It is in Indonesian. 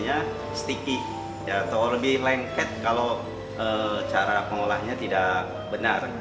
biasanya lebih lengket kalau cara pengolahnya tidak benar